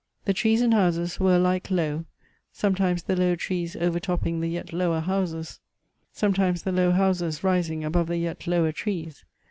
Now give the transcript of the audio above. The trees and houses were alike low, sometimes the low trees over topping the yet lower houses, sometimes the low houses rising above the yet lower trees.